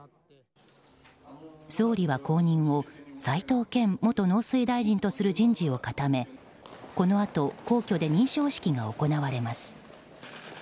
総理は後任を齋藤健元農水大臣とする人事を固め、このあと皇居で認証式が行われます。